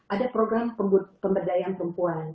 ada program pemberdayaan perempuan